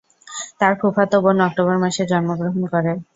তার ফুফাতো বোন অক্টোবর মাসে জন্মগ্রহণ করে।